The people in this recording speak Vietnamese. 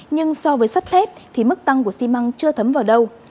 nhưng so với sắt thép thì mức tăng của xi măng chưa thấm vào đâu